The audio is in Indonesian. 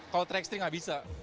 kalau tiga x tiga nggak bisa